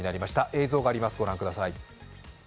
映像があります、ご覧ください。